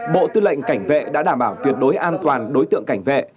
bộ tư lệnh cảnh vệ đã đảm bảo tuyệt đối an toàn đối tượng cảnh vệ